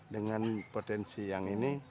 dengan potensi yang ini